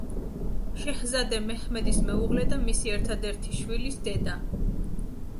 შეჰზადე მეჰმედის მეუღლე და მისი ერთადერთი შვილის დედა.